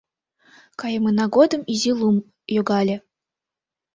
Кайымына годым изи лум йога ыле.